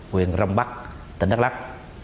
quyền rông bắc tỉnh đắk lắk